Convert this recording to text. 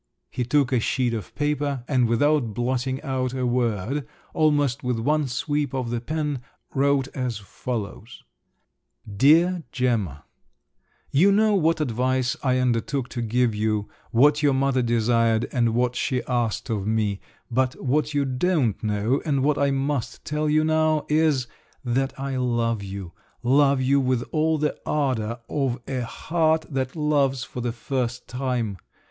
He took a sheet of paper, and without blotting out a word, almost with one sweep of the pen, wrote as follows:— "DEAR GEMMA,—You know what advice I undertook to give you, what your mother desired, and what she asked of me; but what you don't know and what I must tell you now is, that I love you, love you with all the ardour of a heart that loves for the first time!